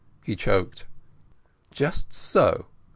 he choked. "Just so.